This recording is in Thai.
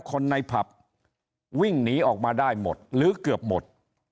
คนในผับวิ่งหนีออกมาได้หมดหรือเกือบหมด